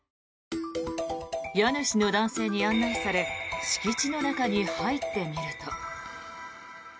家主の男性に案内され敷地の中に入ってみると。